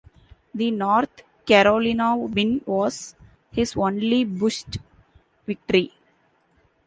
The North Carolina win was his only Busch victory.